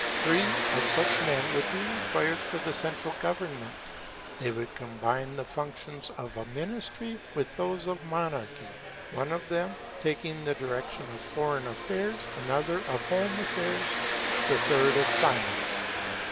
Three of such men would be required for the central government. They would combine the functions of a ministry with those of monarchy, one of them taking the direction of Foreign affairs, another of Home affairs, the third of Finance.